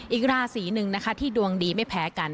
อีกราศีหนึ่งนะคะที่ดวงดีไม่แพ้กัน